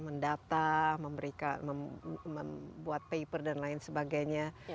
mendata membuat paper dan lain sebagainya